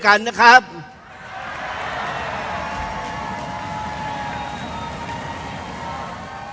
กาเบอร์